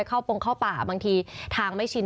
ถ้าเข้าโปรงเข้าป่าบางทีทางไม่ชิน